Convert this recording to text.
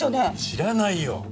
知らないよ！